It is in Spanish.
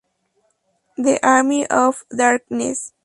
The Army of Darkness".